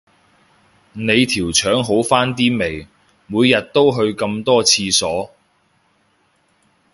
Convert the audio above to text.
你條腸好返啲未，每日都去咁多廁所